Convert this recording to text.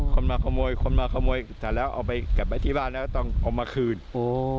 คนมาขโมยคนมาขโมยแต่แล้วเอาไปกลับไปที่บ้านแล้วต้องเอามาคืนโอ้